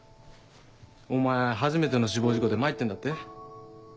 お前初めての死亡事故で参ってんだって？